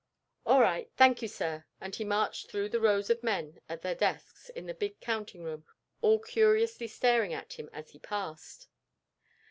"All right, thank you, sir," and he marched out through the rows of men at their desks in the big counting room, all curiously staring at him as he passed.